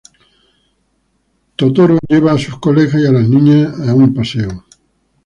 Totoro lleva a sus colegas y a las niñas en un paseo.